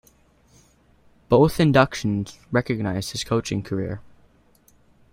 Both inductions recognized his coaching career.